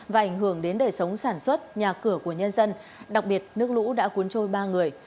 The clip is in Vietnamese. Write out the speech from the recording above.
và ảnh hưởng đến đời sống sản xuất nhà cửa của nhân dân đặc biệt nước lũ đã cuốn trôi ba người